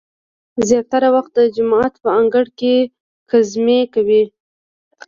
زیاتره وخت د جومات په انګړ کې ګزمې کوي.